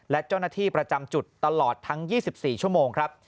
และเจ้าหน้าที่ประจำจุดตลอดทั้ง๒๔ชั่วโมงครับ